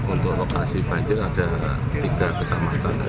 untuk operasi banjir ada tiga kecamatan